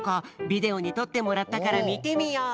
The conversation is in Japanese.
ビデオにとってもらったからみてみよう！